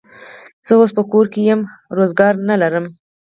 زه اوس په کور یمه، روزګار نه لرم.